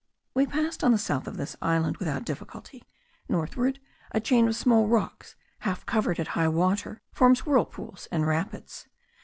We passed on the south of this island without difficulty; northward, a chain of small rocks, half covered at high water, forms whirlpools and rapids.